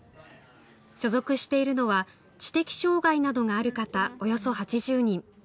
所属しているのは、知的障害がある方およそ８０人。